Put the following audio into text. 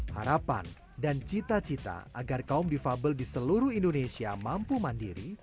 harapan dan cita cita agar kaum difabel di seluruh indonesia mampu mandiri